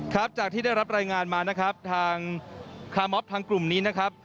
ครับจากที่ได้รับรายงานมานะครับทางคาร์มอฟทางกลุ่มนี้นะครับ